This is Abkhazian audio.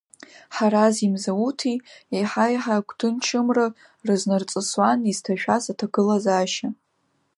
Ҳарази Мзауҭи еиҳа-еиҳа агәҭынчымра рызнарҵысуан изҭашәаз аҭагылазаашьа.